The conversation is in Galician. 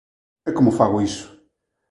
E como fago iso?